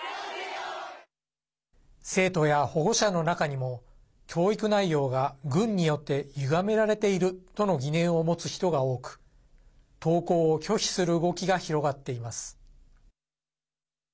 生徒や保護者の中にも教育内容が軍によってゆがめられているとの疑念を持つ人が多く登校を拒否する動きが広がっています。